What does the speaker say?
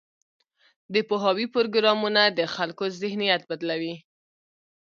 د پوهاوي پروګرامونه د خلکو ذهنیت بدلوي.